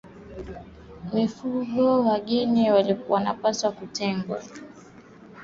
Mifugo wageni wanapaswa kutengwa